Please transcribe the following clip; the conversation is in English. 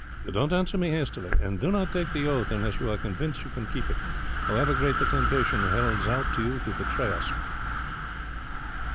Don't answer me hastily, and do not take the oath unless you are convinced you can keep it however great the temptation held out to you to betray us."